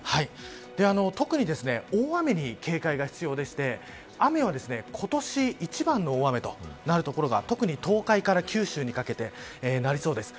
特に、大雨に警戒が必要でして雨は今年一番の大雨となる所が特に東海から九州にかけてなりそうです。